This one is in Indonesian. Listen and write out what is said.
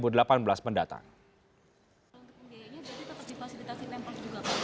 pembiayaannya tetap dipasilitasi pemprov juga pak